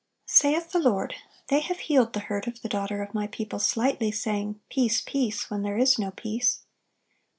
Saith the Lord: "They have healed the hurt of the daughter of My people slightly, saying, Peace, peace; when there is no peace."